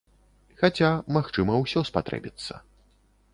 Хаця, магчыма ўсё спатрэбіцца.